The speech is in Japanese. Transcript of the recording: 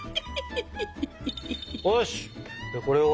よしこれを。